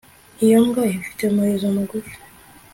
iyo mbwa ifite umurizo mugufi